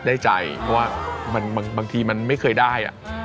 ได้ใจเพราะว่าบางทีมันไม่เคยได้